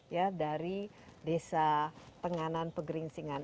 ya dari desa tenganan pegering singan